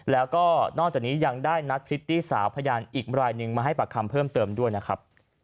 แล้วก็นอกจากนี้ยังได้นัดพริตตี้สาวพยานอีกรายหนึ่งมาให้ปากคำเพิ่มเติมด้วยนะครับ